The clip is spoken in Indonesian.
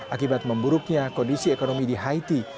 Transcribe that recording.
akibat memburuknya kondisi ekonomi di haiti